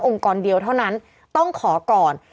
กรเดียวเท่านั้นต้องขอก่อน